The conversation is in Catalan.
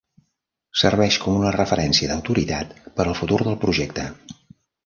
Serveix com una referència d'autoritat per al futur del projecte.